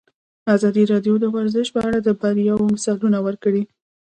ازادي راډیو د ورزش په اړه د بریاوو مثالونه ورکړي.